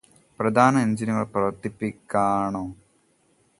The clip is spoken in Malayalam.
പ്രധാന എന്ജിനുകള് പ്രവര്ത്തിപ്പിക്കണോ